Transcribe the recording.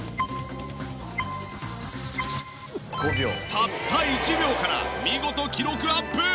たった１秒から見事記録アップ！